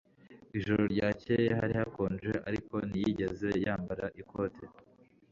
Ijoro ryakeye hari hakonje, ariko ntiyigeze yambara ikote.